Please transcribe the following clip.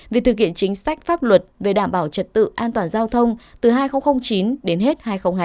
việc thực hiện chính sách pháp luật về đảm bảo trật tự an toàn giao thông từ hai nghìn chín đến hết hai nghìn hai mươi